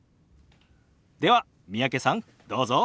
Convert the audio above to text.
では三宅さんどうぞ。